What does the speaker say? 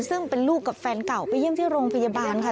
ซึ่งเป็นลูกกับแฟนเก่าไปเยี่ยมที่โรงพยาบาลค่ะ